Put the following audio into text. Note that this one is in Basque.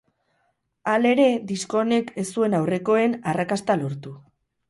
Halere, disko honek ez zuen aurrekoen arrakasta lortu.